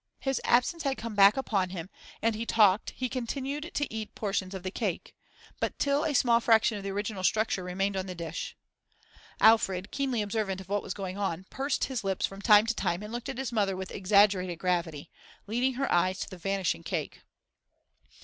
His absence had come back upon him, and he talked he continued to eat portions of the cake, till but a small fraction of the original structure remained on the dish. Alfred, keenly observant of what was going on, pursed his lips from time to time and looked at his mother with exaggerated gravity, leading her eyes to the vanishing cake.